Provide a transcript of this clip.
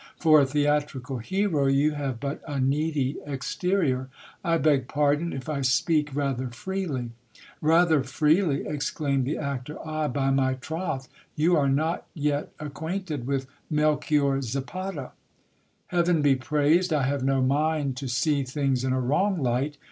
For a theatrical hero, you have but a needy exterior ! I beg pardon if I speak rather freely. Rather freely ! exclaimed the actor ; ah ! by my tioth, you are not yet acquainted with Melchior Zapata. Heaven be praised, I have no mind to see things in a wrong light.